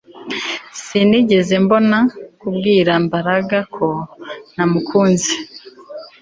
Sinigeze mbona kubwira Mbaraga ko namukunze